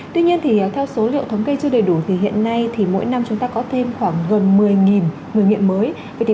tuy nhiên theo số liệu thống kê chưa đầy đủ hiện nay mỗi năm chúng ta có thêm gần một mươi người nghiện mới